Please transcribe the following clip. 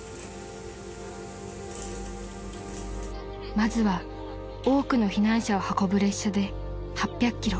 ［まずは多くの避難者を運ぶ列車で８００ｋｍ］